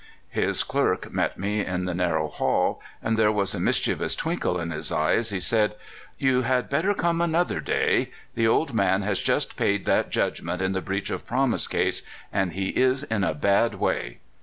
His clerk met me in the narrow hall, and there was a mischievous twinkle in his eye as he said: '*You had better come another day. The old man has just paid that judgment in the breach of promise case, and he is in a bad way."